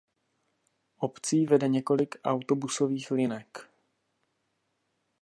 Obcí vede několik autobusových linek.